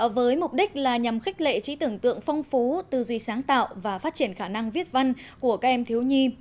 với mục đích là nhằm khích lệ trí tưởng tượng phong phú tư duy sáng tạo và phát triển khả năng viết văn của các em thiếu nhi